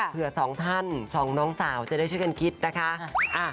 สองท่านสองน้องสาวจะได้ช่วยกันคิดนะคะ